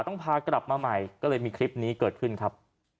ต้องพากลับมาใหม่ก็เลยมีคลิปนี้เกิดขึ้นครับ